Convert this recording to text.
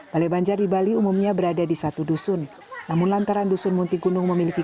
balai banjar di bali umumnya berada di satu dusun namun lantaran dusun munti gunung memiliki